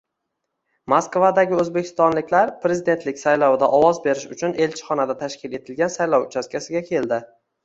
Moskvadagi o‘zbekistonliklar prezidentlik saylovida ovoz berish uchun elchixonada tashkil etilgan saylov uchastkasiga keldi